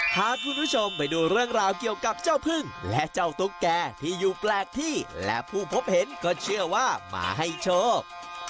พาคุณผู้ชมไปดูเรื่องราวเกี่ยวกับเจ้าพึ่งและเจ้าตุ๊กแก่ที่อยู่แปลกที่และผู้พบเห็นก็เชื่อว่ามาให้โชค